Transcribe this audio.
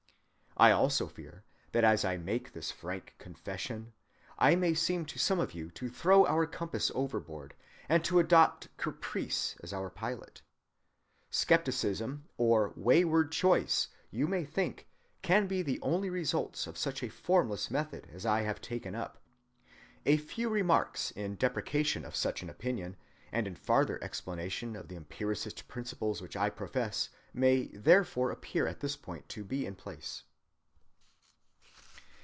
I also fear that as I make this frank confession, I may seem to some of you to throw our compass overboard, and to adopt caprice as our pilot. Skepticism or wayward choice, you may think, can be the only results of such a formless method as I have taken up. A few remarks in deprecation of such an opinion, and in farther explanation of the empiricist principles which I profess, may therefore appear at this point to be in place.